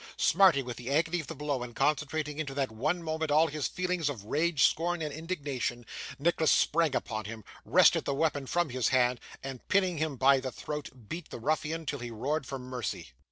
Smarting with the agony of the blow, and concentrating into that one moment all his feelings of rage, scorn, and indignation, Nicholas sprang upon him, wrested the weapon from his hand, and pinning him by the throat, beat the ruffian till he roared for mercy.